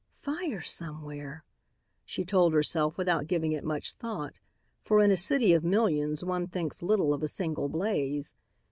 "Fire somewhere," she told herself without giving it much thought, for in a city of millions one thinks little of a single blaze.